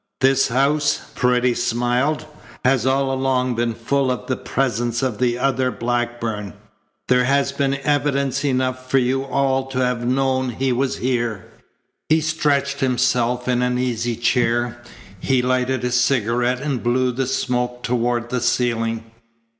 "This house," Paredes smiled, "has all along been full of the presence of the other Blackburn. There has been evidence enough for you all to have known he was here." He stretched himself in an easy chair. He lighted a cigarette and blew the smoke toward the ceiling.